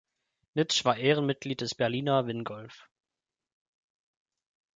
Nitzsch war Ehrenmitglied des Berliner Wingolf.